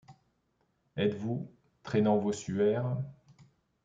Êtes-vous, traînant vos suaires